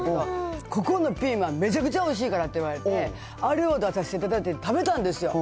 ここのピーマン、めちゃくちゃおいしいからって言われて、あれを出させていただいて、食べたんですよ。